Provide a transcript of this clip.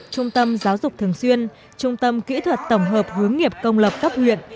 trung tâm giáo dục thường xuyên trung tâm kỹ thuật tổng hợp hướng nghiệp công lập cấp huyện